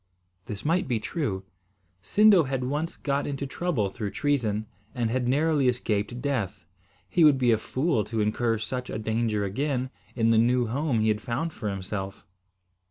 This might be true. Sindo had once got into trouble through treason, and had narrowly escaped death. He would be a fool to incur such a danger again, in the new home he had found for himself.